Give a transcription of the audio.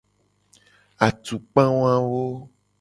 Atukpa wawo.